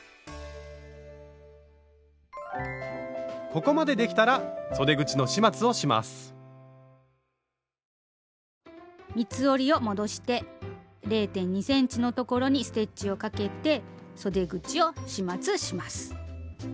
ここまでできたら三つ折りを戻して０．２ｃｍのところにステッチをかけてそで口を始末します。